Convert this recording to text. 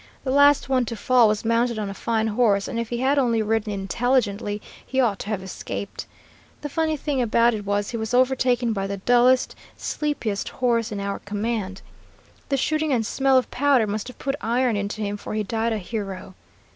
The last one to fall was mounted on a fine horse, and if he had only ridden intelligently, he ought to have escaped. The funny thing about it was he was overtaken by the dullest, sleepiest horse in our command. The shooting and smell of powder must have put iron into him, for he died a hero.